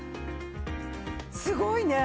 すごいね。